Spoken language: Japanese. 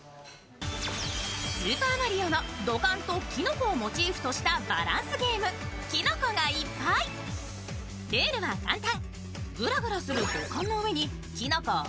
「スーパーマリオ」の土管ときのこをモチーフにしたバランスゲーム、キノコがいっぱいルールは簡単。